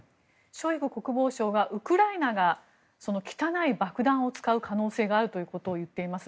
ショイグ国防相がウクライナが汚い爆弾を使う可能性があるということを言っています。